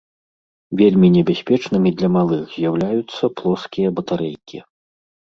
Вельмі небяспечнымі для малых з'яўляюцца плоскія батарэйкі.